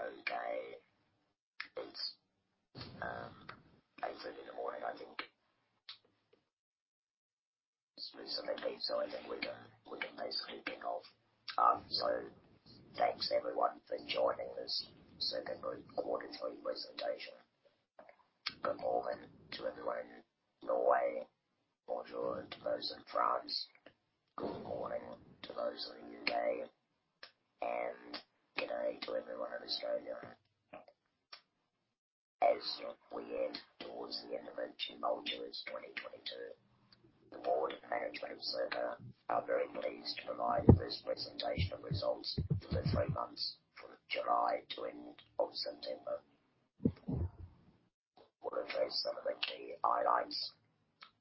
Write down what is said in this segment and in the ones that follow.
Okay. It's 8:30 A.M., I think. I think we can basically kick off. Thanks everyone for joining this Circa Group quarterly presentation. Good morning to everyone in Norway. Bonjour to those in France. Good morning to those in the UK, and g'day to everyone in Australia. As we head towards the end of June, July of 2022, the Board of Management of Circa Group are very pleased to provide the first presentation of results for the three months from July to end of September. We'll address some of the key highlights,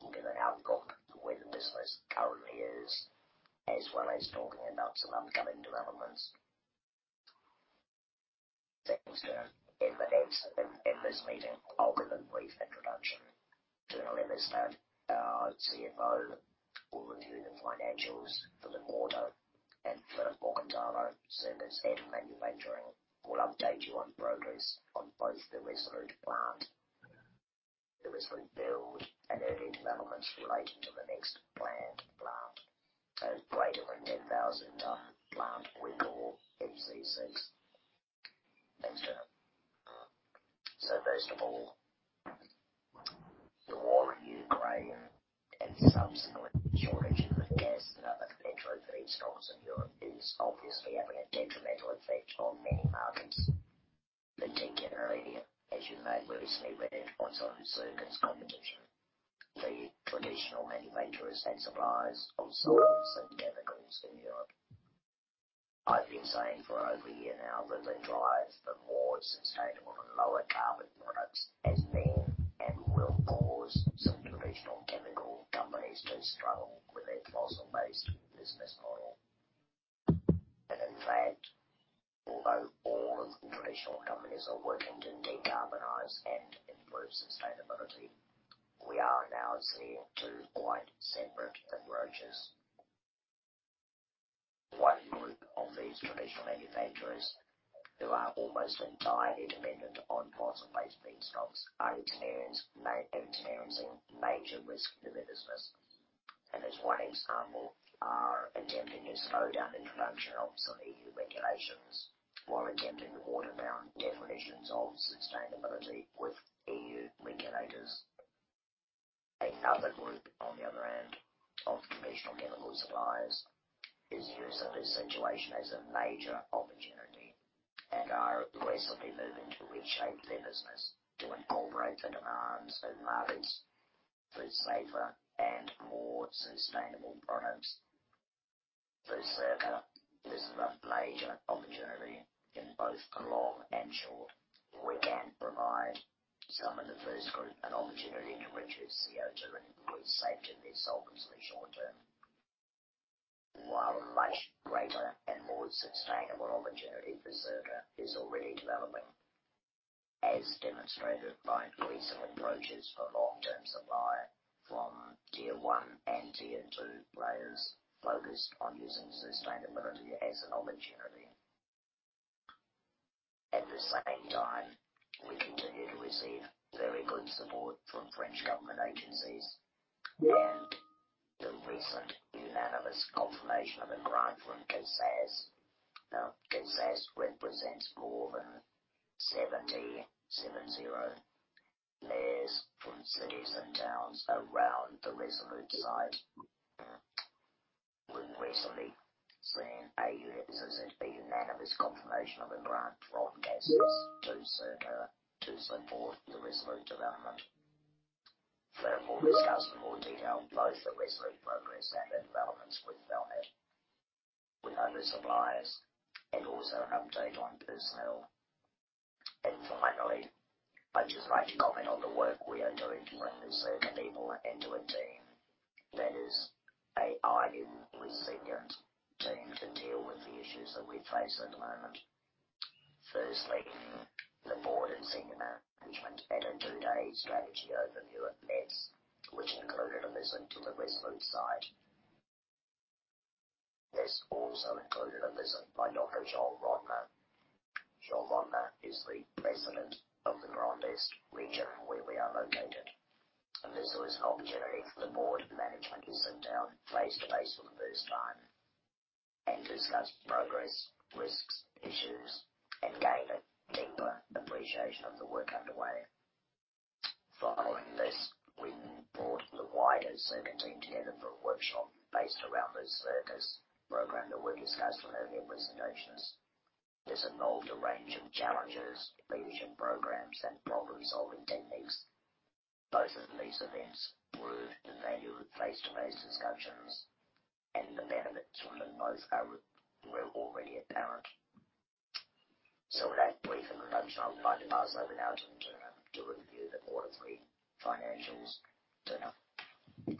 looking at how we got to where the business currently is, as well as talking about some upcoming developments. Thanks to Emma and Simon in this meeting. I'll give a brief introduction. Tone Leivestad, our CFO, will review the financials for the quarter, and Philipp Morgenthaler, Circa Group's Head of Manufacturing, will update you on progress on both the ReSolute plant, the ReSolute build, and any developments relating to the next planned plant, our greater than 10,000 plant with FC6. Thanks, Tone. First of all, the war in Ukraine and subsequent shortage of gas and other petroleum feedstocks in Europe is obviously having a detrimental effect on many markets, particularly as you may recently read, also Circa's competition. The traditional manufacturers and suppliers of solvents and chemicals in Europe. I've been saying for over a year now that the drive for more sustainable and lower carbon products has been and will cause some traditional chemical companies to struggle with their fossil-based business model. In fact, although all of the traditional companies are working to decarbonize and improve sustainability, we are now seeing two quite separate approaches. One group of these traditional manufacturers who are almost entirely dependent on fossil-based feedstocks are experiencing major risk to their business. As one example, are attempting to slow down introduction of some EU regulations while attempting to water down definitions of sustainability with EU regulators. Another group, on the other hand, of traditional chemical suppliers is using this situation as a major opportunity and are aggressively moving to reshape their business to incorporate the demands of markets for safer and more sustainable products. For Circa, this is a major opportunity in both long and short. We can provide some of the first group an opportunity to reduce CO2 and improve safety in their solvents in the short term. While a much greater and more sustainable opportunity for Circa is already developing, as demonstrated by recent approaches for long-term supply from Tier 1 and Tier 2 players focused on using sustainability as an opportunity. At the same time, we continue to receive very good support from French government agencies and the recent unanimous confirmation of a grant from CASAS. Now, CASAS represents more than 70 mayors from cities and towns around the ReSolute site. We've recently seen, as I said, a unanimous confirmation of a grant from CASAS to Circa to support the ReSolute development. Philipp will discuss in more detail both the ReSolute progress and the developments with Valmet, with other suppliers, and also update on personnel. Finally, I'd just like to comment on the work we are doing to bring the Circa people into a team that is a highly senior team to deal with the issues that we face at the moment. Firstly, the Board and senior management had a two-day strategy overview at Metz, which included a visit to the ReSolute site. This also included a visit by local Jean Rottner. Jean Rottner is the President of the Grand Est region where we are located. This was an opportunity for the board and management to sit down face-to-face for the first time and discuss progress, risks, issues, and gain a deeper appreciation of the work underway. Following this, we brought the wider Circa team together for a workshop based around the Circa's program that we discussed in earlier presentations. This involved a range of challenges, leadership programs, and problem-solving techniques. Both of these events proved the value of face-to-face discussions, and the benefits from both were already apparent. With that brief introduction, I would like to pass over now to Tone Leivestad to review the quarterly financials. Tone Leivestad?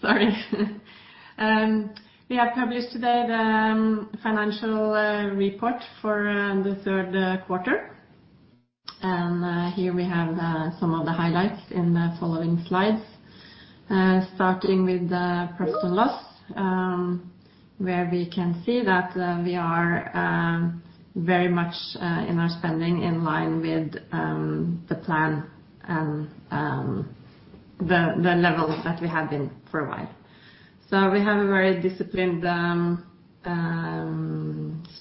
Sorry. We have published today the financial report for the third quarter. Here we have some of the highlights in the following slides. Starting with the personnel costs, where we can see that we are very much in our spending in line with the plan and the levels that we have been for a while. We have a very disciplined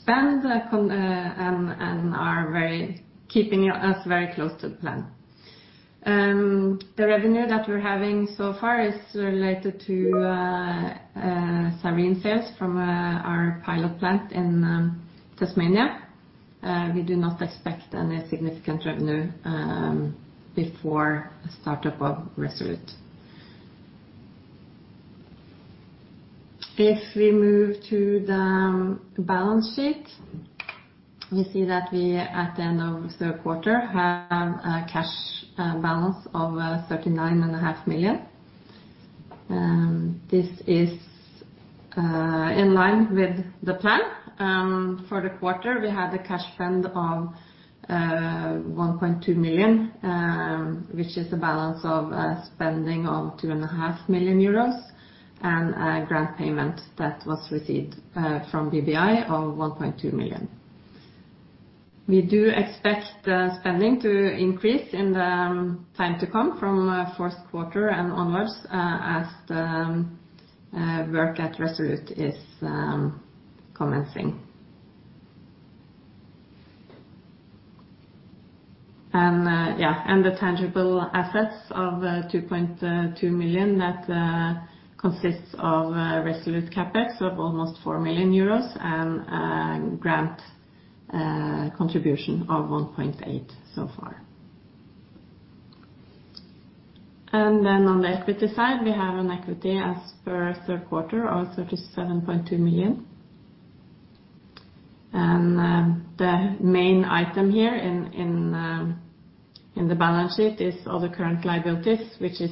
spend control and are keeping us very close to the plan. The revenue that we're having so far is related to Cyrene sales from our pilot plant in Tasmania. We do not expect any significant revenue before the startup of ReSolute. If we move to the balance sheet, we see that we, at the end of the third quarter, have a cash balance of 39.5 million. This is in line with the plan. For the quarter, we had a cash spend of 1.2 million, which is a balance of spending of 2.5 million euros and a grant payment that was received from BBI of 1.2 million. We do expect the spending to increase in the time to come from fourth quarter and onwards, as the work at ReSolute is commencing. The tangible assets of 2.2 million that consists of ReSolute CapEx of almost 4 million euros and a grant contribution of 1.8 so far. On the equity side, we have an equity as per third quarter of 37.2 million. The main item here in the balance sheet is all the current liabilities, which is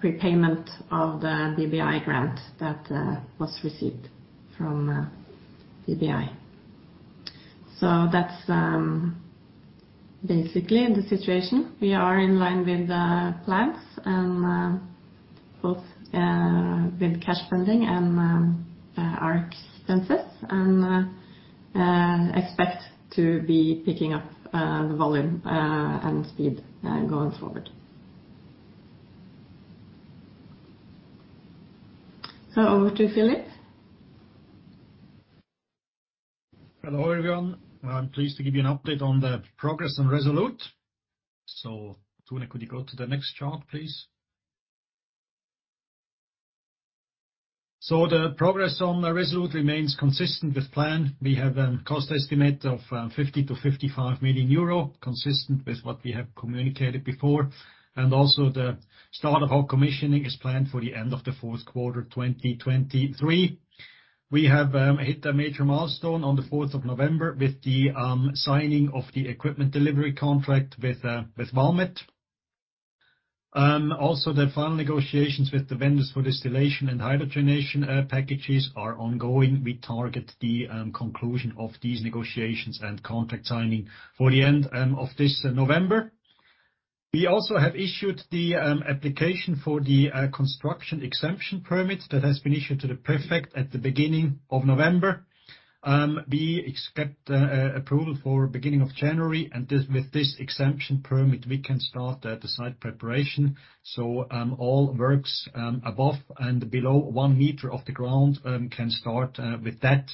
prepayment of the BBI grant that was received from BBI. That's basically the situation. We are in line with the plans and both with cash spending and our expenses and expect to be picking up the volume and speed going forward. Over to Philipp. Hello, everyone. I'm pleased to give you an update on the progress on ReSolute. Tone, could you go to the next chart, please? The progress on ReSolute remains consistent with plan. We have a cost estimate of 50 million-55 million euro, consistent with what we have communicated before. The start of our commissioning is planned for the end of the fourth quarter, 2023. We have hit a major milestone on the 4th of November with the signing of the equipment delivery contract with Valmet. Also the final negotiations with the vendors for distillation and hydrogenation packages are ongoing. We target the conclusion of these negotiations and contract signing for the end of this November. We also have issued the application for the construction exemption permit that has been issued to the prefect at the beginning of November. We expect approval for beginning of January, and with this exemption permit, we can start the site preparation. All works above and below one meter of the ground can start with that.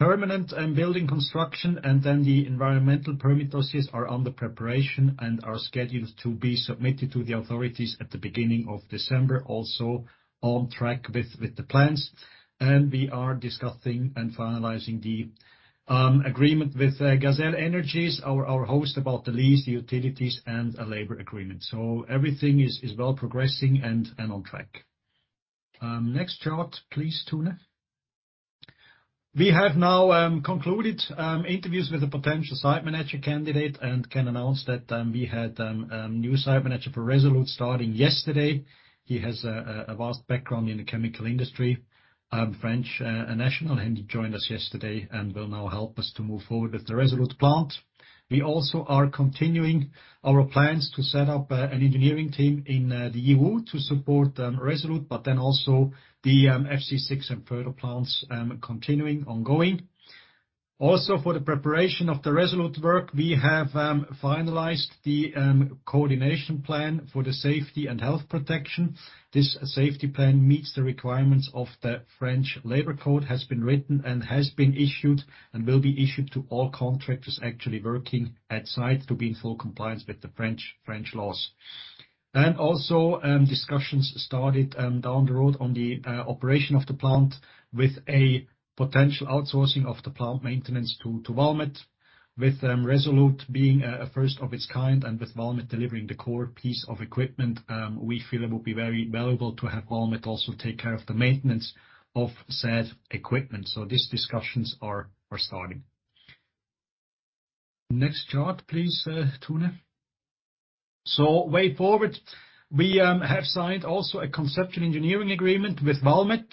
The permitting and building construction and then the environmental permit those are under preparation and are scheduled to be submitted to the authorities at the beginning of December, also on track with the plans. We are discussing and finalizing the agreement with GazelEnergie, our host, about the lease, the utilities, and a labor agreement. Everything is well progressing and on track. Next chart, please, Tone. We have now concluded interviews with a potential site manager candidate and can announce that we had a new site manager for ReSolute starting yesterday. He has a vast background in the chemical industry, French national, and he joined us yesterday and will now help us to move forward with the ReSolute plant. We also are continuing our plans to set up an engineering team in the EU to support ReSolute, but then also the FC6 and further plants, continuing, ongoing. Also, for the preparation of the ReSolute work, we have finalized the coordination plan for the safety and health protection. This safety plan meets the requirements of the French Labor Code, has been written and has been issued, and will be issued to all contractors actually working at site to be in full compliance with the French laws. Also, discussions started down the road on the operation of the plant with a potential outsourcing of the plant maintenance to Valmet. With ReSolute being a first of its kind and with Valmet delivering the core piece of equipment, we feel it would be very valuable to have Valmet also take care of the maintenance of said equipment. These discussions are starting. Next chart, please, Tone. Way forward. We have signed also a conceptual engineering agreement with Valmet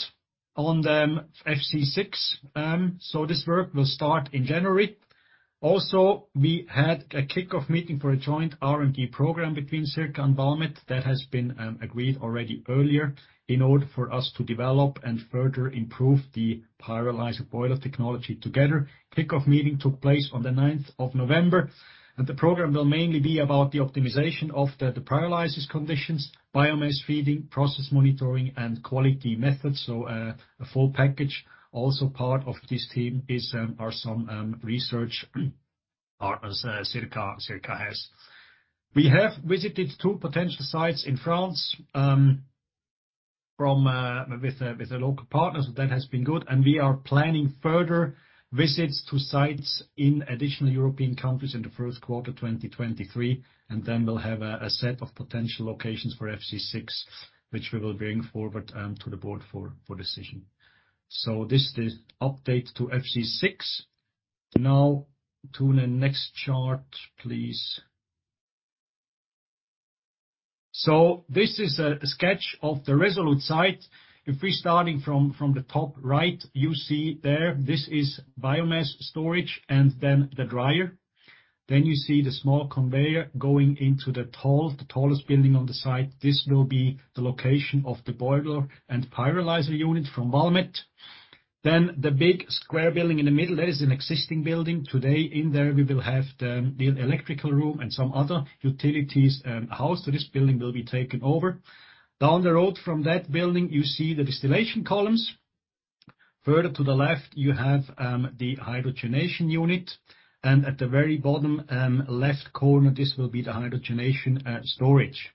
on the FC6. This work will start in January. We had a kick-off meeting for a joint R&D program between Circa and Valmet that has been agreed already earlier in order for us to develop and further improve the pyrolyzer boiler technology together. Kick-off meeting took place on the ninth of November, and the program will mainly be about the optimization of the pyrolyzer conditions, biomass feeding, process monitoring, and quality methods. A full package. Part of this team are some research partners Circa has. We have visited two potential sites in France with a local partner. That has been good. We are planning further visits to sites in additional European countries in the first quarter 2023. We'll have a set of potential locations for FC6 which we will bring forward to the board for decision. This is the update to FC6. Now, Tone, the next chart, please. This is a sketch of the ReSolute site. If we're starting from the top right, you see there, this is biomass storage and then the dryer. You see the small conveyor going into the tallest building on the site. This will be the location of the boiler and pyrolyzer unit from Valmet. The big square building in the middle, that is an existing building. Today, in there, we will have the electrical room and some other utilities housed. This building will be taken over. Down the road from that building, you see the distillation columns. Further to the left, you have the hydrogenation unit. At the very bottom left corner, this will be the hydrogenation storage.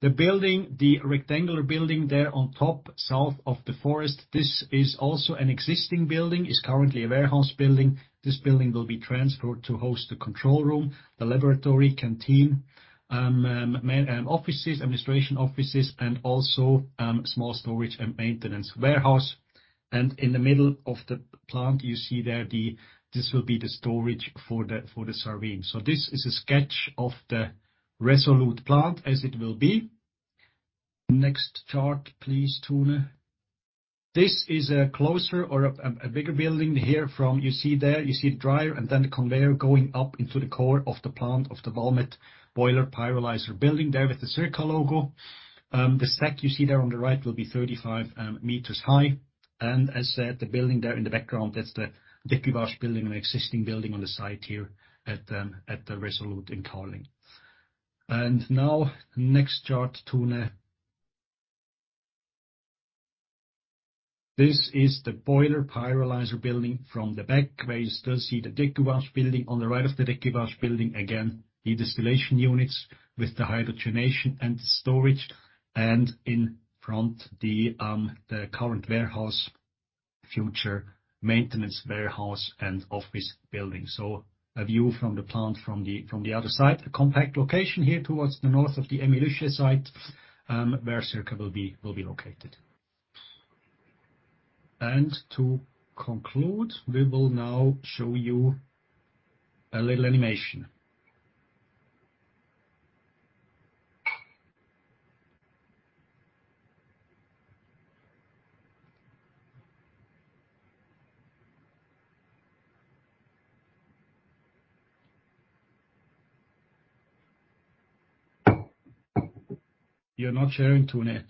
The building, the rectangular building there on top, south of the forest, this is also an existing building. It's currently a warehouse building. This building will be transferred to host the control room, the laboratory, canteen, offices, administration offices, and also small storage and maintenance warehouse. In the middle of the plant, you see there this will be the storage for the Cyrene. This is a sketch of the ReSolute plant as it will be. Next chart, please, Tone. This is a closer or bigger building here from... You see there, you see the dryer and then the conveyor going up into the core of the plant, of the Valmet boiler pyrolyzer building there with the Circa logo. The stack you see there on the right will be 35 meters high. As said, the building there in the background, that's the decobarge building, an existing building on the site here at the ReSolute in Carling. Now next chart, Tone. This is the boiler pyrolyzer building from the back where you still see the decobarge building. On the right of the decobarge building, again, the distillation units with the hydrogenation and storage. In front, the current warehouse, future maintenance warehouse, and office building. A view from the plant from the other side. A compact location here towards the north of the Émile-Huchet site, where Circa will be located. To conclude, we will now show you a little animation. You're not sharing, Tone.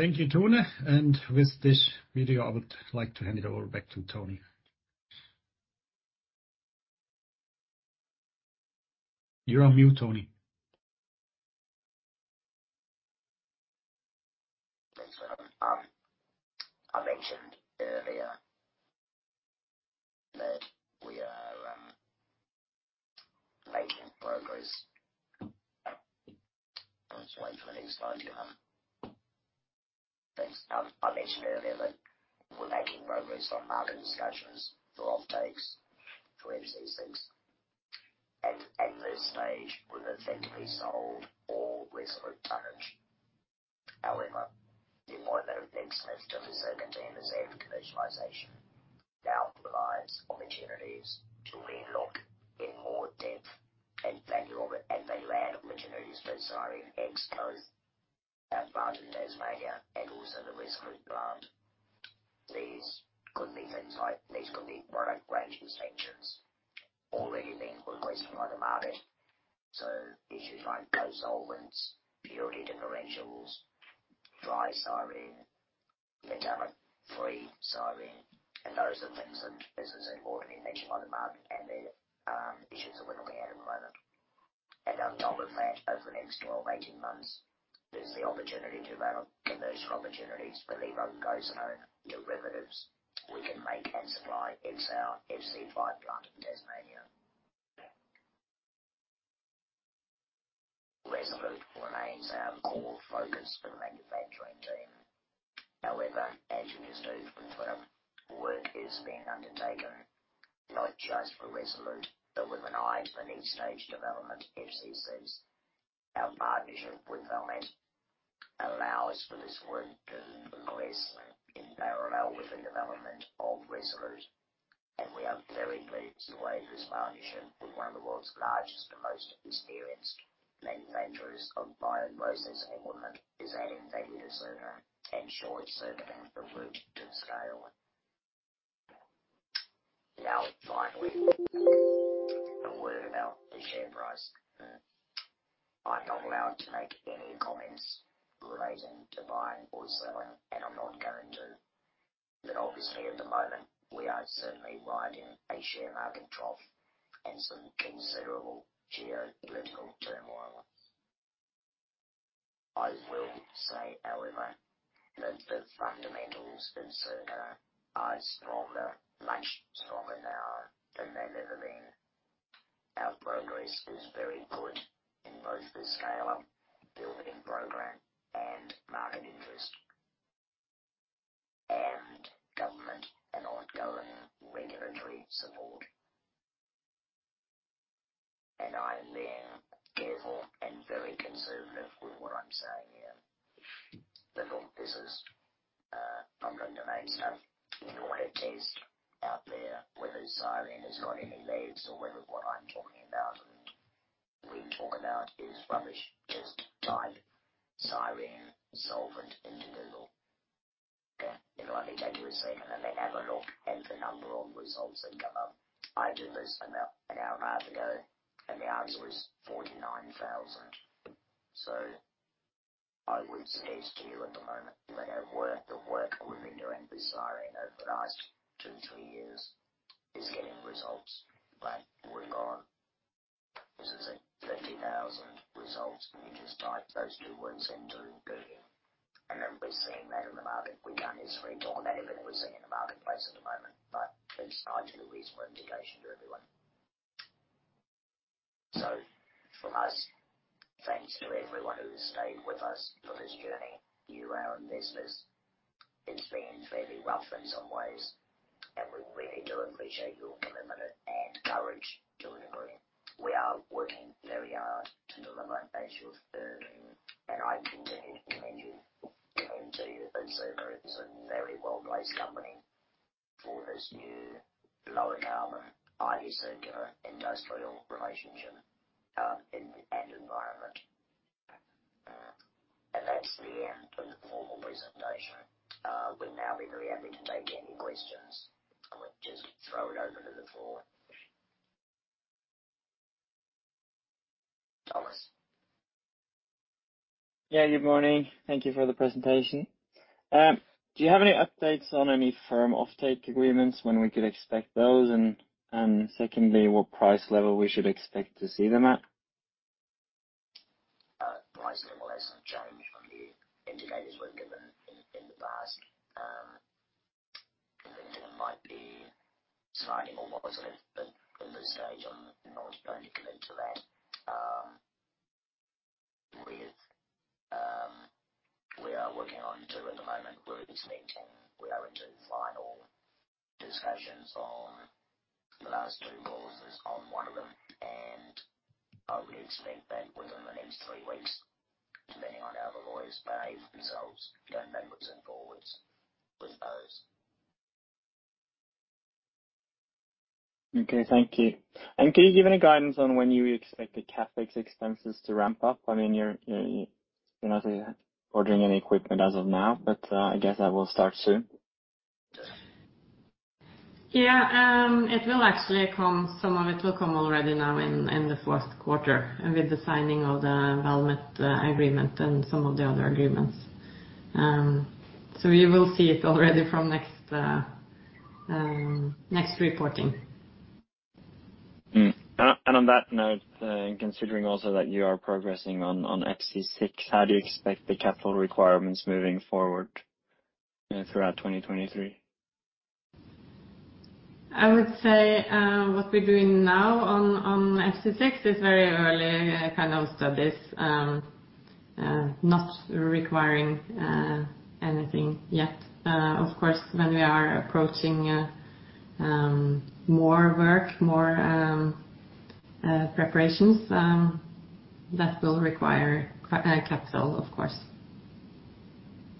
Thank you, Tone. With this video, I would like to hand it over back to Tony. You're on mute, Tony. Thanks. I mentioned earlier that we're making progress on market discussions for offtakes for FC6. At this stage, whether they're to be sold or ReSolute tonnage. However, the appointment of Nick Smith to facilitate the commercialization now provides opportunities to re-look in more depth and value of, and the value add of opportunities for Cyrene in FC5 plant in Tasmania and also the ReSolute plant. These could be product range extensions already being requested by the market. Issues like co-solvents, purity differentials, dry Cyrene, metal-free Cyrene, and those are things that business had already mentioned on the market, and they're issues that we're looking at at the moment. On top of that, over the next 12, 18 months, there's the opportunity to run on commercial opportunities for levoglucosenone derivatives we can make and supply ex our FC5 plant in Tasmania. ReSolute remains our core focus for the manufacturing team. However, as you just heard from Philipp, work is being undertaken not just for ReSolute, but with an eye for the next stage development FC6s. Our partnership with Valmet allows for this work to progress in parallel with the development of ReSolute, and we are very pleased the way this partnership with one of the world's largest and most experienced manufacturers of bio-process equipment is adding value to Circa and shortly, Circa, the route to scale. Now, finally, a word about the share price. I'm not allowed to make any comments relating to buying or selling, and I'm not going to. Obviously, at the moment, we are certainly riding a share market trough and some considerable geopolitical turmoil. I will say, however, that the fundamentals in Circa are stronger, much stronger now than they've ever been. Our progress is very good in both the scale-up building program and market interest, and government and ongoing regulatory support. I'm being careful and very conservative with what I'm saying here. Look, this is. If you want to test out there whether Cyrene has got any legs or whether what I'm talking about and we talk about is rubbish, just type Cyrene solvent into Google. It'll only take you a second, and then have a look at the number of results that come up. I did this about an hour and a half ago, and the answer is 49,000. I would suggest to you at the moment that our work, the work we've been doing with Cyrene over the last two, three years is getting results. Like, we're on, as I said, 50,000 results, and you just type those two words into Google. We're seeing that in the market. We can't necessarily talk about everything we're seeing in the marketplace at the moment, but it's largely a reasonable indication to everyone. From us, thanks to everyone who has stayed with us for this journey, you, our investors. It's been fairly rough in some ways, and we really do appreciate your commitment and courage to a degree. We are working very hard to deliver on our actual third, and I can definitely mention to you that Circa is a very well-placed company for this new lower carbon, highly circular industrial relationship and environment. That's the end of the formal presentation. We'd now be very happy to take any questions. I'll just throw it open to the floor. Thomas. Yeah, good morning. Thank you for the presentation. Do you have any updates on any firm offtake agreements? When we could expect those? Secondly, what price level we should expect to see them at? Price level hasn't changed from the indicators we've given in the past. I think there might be slightly more work sort of in this stage. I'm not going to commit to that. We are working on two at the moment. We are into final discussions on the last two clauses on one of them, and we expect that within the next three weeks, depending on how the lawyers behave themselves, getting them backwards and forwards with those. Okay, thank you. Can you give any guidance on when you expect the CapEx expenses to ramp up? I mean, you're not ordering any equipment as of now, but I guess that will start soon. Yeah, it will actually come. Some of it will come already now in this first quarter with the signing of the Valmet agreement and some of the other agreements. You will see it already from next reporting. On that note, considering also that you are progressing on FC6, how do you expect the capital requirements moving forward throughout 2023? I would say what we're doing now on FC6 is very early kind of studies, not requiring anything yet. Of course, when we are approaching more work, more preparations, that will require capital, of course.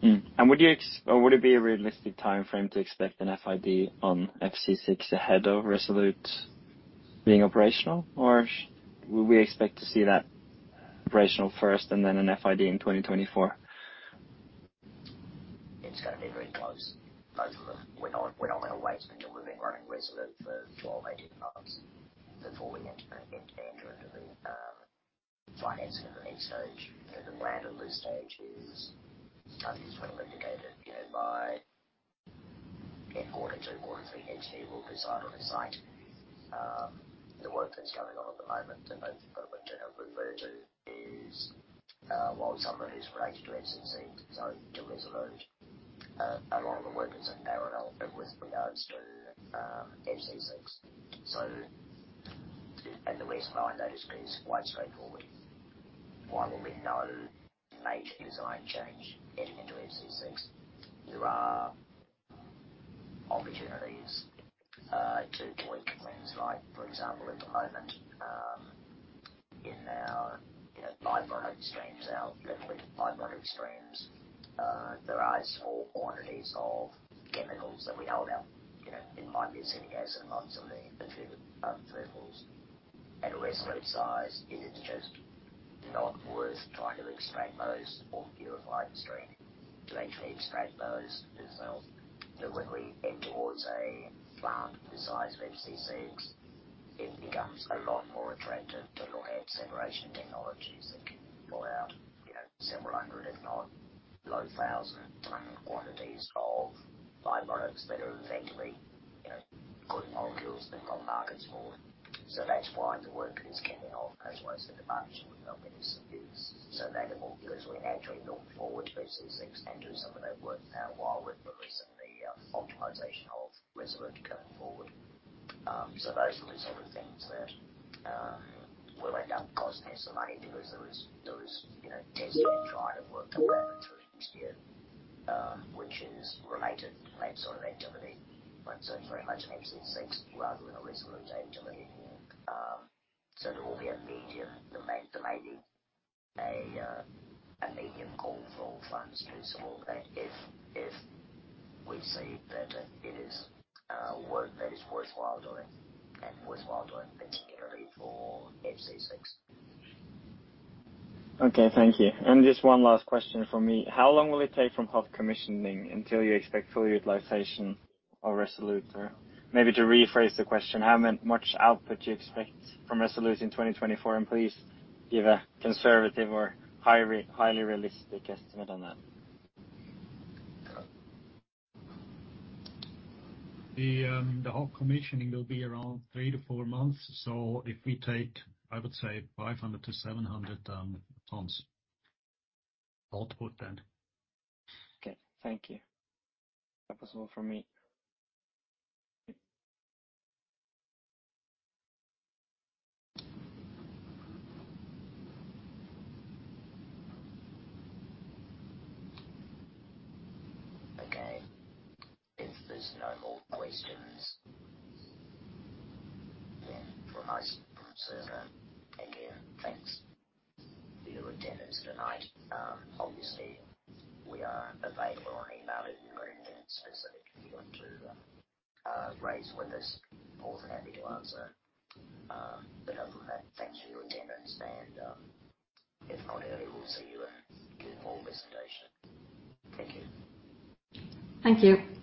Would it be a realistic timeframe to expect an FID on FC6 ahead of ReSolute being operational? Would we expect to see that operational first and then an FID in 2024? It's gonna be very close. Both of them. We're not gonna wait until we've been running ReSolute for 12, 18 months before we enter into the financing of the next stage. You know, the land and lease stage is done. It's been indicated, you know, by mid-quarter two, quarter three next year we'll be on site on the site. The work that's going on at the moment, and both Philipp and I have referred to is while some of it is related to FC6, so to ReSolute, a lot of the work is in parallel with regards to FC6. The reason behind that is quite straightforward. While there'll be no major design change entering into FC6, there are opportunities to tweak things like, for example, at the moment, in our, you know, by-product streams, our liquid by-product streams, there are small quantities of chemicals that we hold up. You know, it might be acetic acid on some of the treatment thresholds. At a ReSolute size, it is just not worth trying to extract those or purify the stream to actually extract those itself. But when we head towards a plant the size of FC6, it becomes a lot more attractive to look at separation technologies that can pull out, you know, several hundred if not low thousand ton quantities of by-products that are effectively, you know, good molecules there's got markets for. That's why the work is kicking off. That's why I said the partnership development is so valuable because we can actually look forward to FC6 and do some of that work now, while we're focusing on the optimization of ReSolute going forward. Those are the sort of things that will end up costing us some money because there is, you know, testing and trial work that will happen through next year, which is related to that sort of activity. Very much an FC6 rather than a ReSolute activity. There will be a medium demand, there may be a medium call for funds principally that if we see that it is work that is worthwhile doing particularly for FC6. Okay, thank you. Just one last question from me. How long will it take from hot commissioning until you expect full utilization of ReSolute? Or maybe to rephrase the question, how much output do you expect from ReSolute in 2024? Please give a conservative or highly realistic estimate on that. The hot commissioning will be around three to four months. If we take, I would say 500-700 tons output then. Okay, thank you. That was all from me. Okay. If there's no more questions then from our side, again, thanks for your attendance tonight. Obviously we are available on email if you've got anything specific you want to raise with us. More than happy to answer, but other than that, thanks for your attendance and, if not early, we'll see you at the full presentation. Thank you. Thank you.